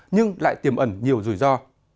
nhưng lại tiềm ẩn nhiều rủi ro